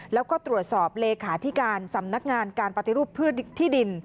แล้วก็ตรวจสอบเลขาธิการสำนักงานการปฏิรูปพืชที่ดิน